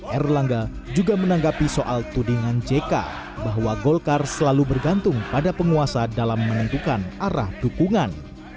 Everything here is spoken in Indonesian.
erlangga juga menanggapi soal tudingan jk bahwa golkar selalu bergantung pada penguasa dalam menentukan arah dukungan